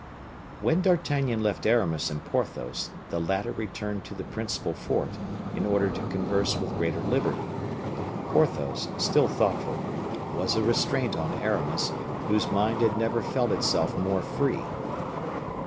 When D'Artagnan left Aramis and Porthos, the latter returned to the principal fort, in order to converse with greater liberty. Porthos, still thoughtful, was a restraint on Aramis, whose mind had never felt itself more free.